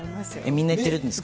みんな行ってるんですか？